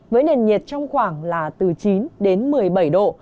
với nền nhiệt trong khoảng là từ chín đến một mươi bảy độ